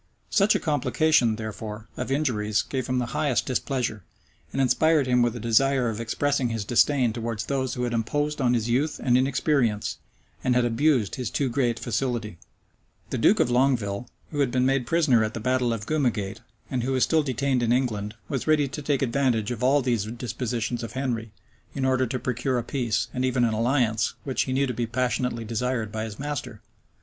Such a complication, therefore, of injuries gave him the highest displeasure, and inspired him with a desire of expressing his disdain towards those who had imposed on his youth and inexperience, and had abused his too great facility. * Petrus de Angleria, Epist. 545, 646. The duke of Longueville, who had been made prisoner at the battle of Gumegate, and who was still detained in England, was ready to take advantage of all these dispositions of Henry, in order to procure a peace, and even an alliance, which he knew to be passionately desired by his master.